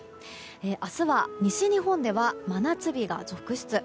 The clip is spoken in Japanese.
明日は、西日本では真夏日が続出。